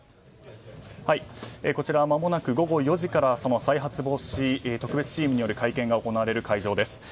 こちらまもなく午後４時からその再発防止特別チームによる会見が行われる会場です。